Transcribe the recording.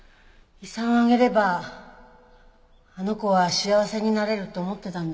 遺産をあげればあの子は幸せになれると思ってたんだ。